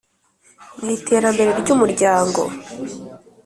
mu iterambere ryu muryango